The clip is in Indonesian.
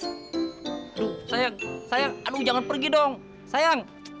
aduh sayang sayang aduh jangan pergi dong sayang